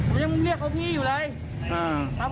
ผมก็เลยต้องชักมีดลงมาครับเขาต่อยเราก่อนเหรอต่อยเราก่อนครับ